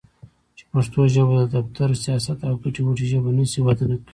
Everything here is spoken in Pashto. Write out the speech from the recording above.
چې پښتو ژبه د دفتر٬ سياست او ګټې وټې ژبه نشي؛ وده نکوي.